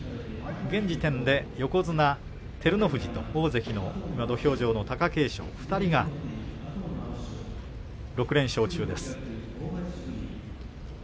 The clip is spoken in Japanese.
現時点で横綱照ノ富士と土俵上の大関貴景勝２人が６連勝中です。